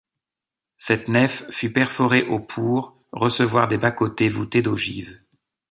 Cette nef fut perforée au pour recevoir des bas-côtés, voûtés d'ogives.